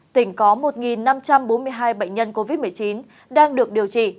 tỉnh có một năm trăm bốn mươi hai bệnh nhân covid một mươi chín đang được điều trị